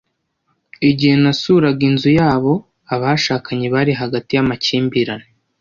Igihe nasuraga inzu yabo, abashakanye bari hagati yamakimbirane